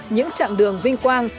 những chặng đường vinh quang